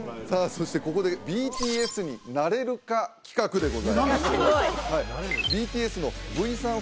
そしてここでＢＴＳになれるか企画でございますＢＴＳのＶさん